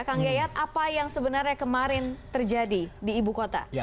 kang yayat apa yang sebenarnya kemarin terjadi di ibu kota